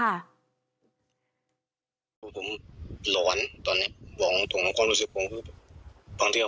ว่าค่ะผมร้อนตอนเนี้ยบอกตรงนั้นความรู้สึกผมบ้างเที่ยว